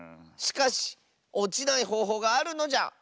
しかしおちないほうほうがあるのじゃ！